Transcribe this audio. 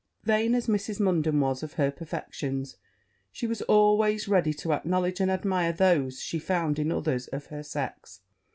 Vain as Mrs. Munden was of her perfections, she was always ready to acknowledge and admire those she found in others of her sex.